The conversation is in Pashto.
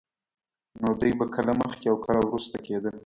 نو دی به کله مخکې او کله وروسته کېده.